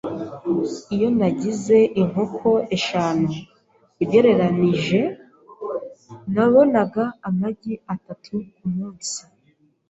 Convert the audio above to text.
Iyo nagize inkoko eshanu, ugereranije nabonaga amagi atatu kumunsi.